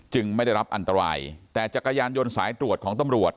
ไม่ได้รับอันตรายแต่จักรยานยนต์สายตรวจของตำรวจ